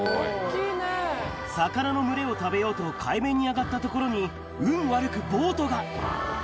魚の群れを食べようと海面に上がった所に、運悪くボートが。